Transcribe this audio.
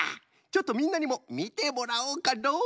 ちょっとみんなにもみてもらおうかのう。